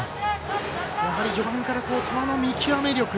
序盤から球の見極め力。